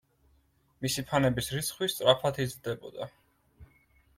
მისი ფანების რიცხვი სწრაფად იზრდებოდა.